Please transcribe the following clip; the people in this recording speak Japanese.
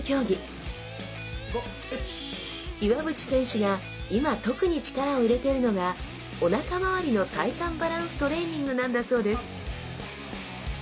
岩渕選手が今特に力を入れているのがおなかまわりの体幹バランストレーニングなんだそうです